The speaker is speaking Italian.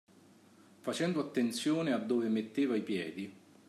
Facendo attenzione a dove metteva i piedi